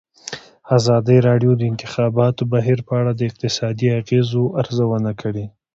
ازادي راډیو د د انتخاباتو بهیر په اړه د اقتصادي اغېزو ارزونه کړې.